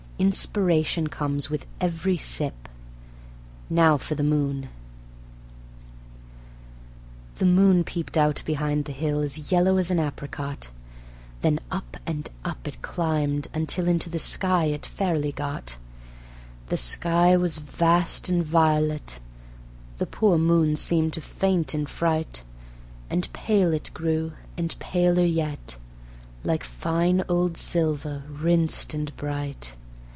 Inspiration comes with every sip. Now for the moon. The moon peeped out behind the hill As yellow as an apricot; Then up and up it climbed until Into the sky it fairly got; The sky was vast and violet; The poor moon seemed to faint in fright, And pale it grew and paler yet, Like fine old silver, rinsed and bright.